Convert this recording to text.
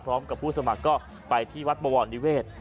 พร้อมกับผู้สมัครก็ไปที่วัดบวรนิเวศ